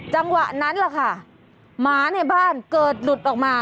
จังหวะนั้นแหละค่ะหมาในบ้านเกิดหลุดออกมา